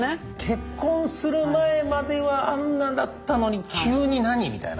結婚する前まではあんなだったのに急に何？みたいな。